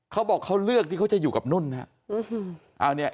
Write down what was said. เขาบอกเขาเลือกที่เขาจะอยู่กับนุ่นนะครับ